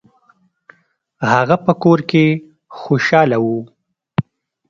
هغه په کور کې خوشحاله و.